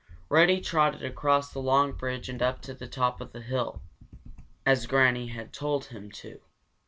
Reddy trotted across the long bridge and up to the top of the hill, as Granny had told him to.